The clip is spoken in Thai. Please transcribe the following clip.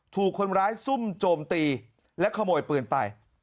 ถูกคนร้ายซุ่มโจมตีและขโมยปืนไป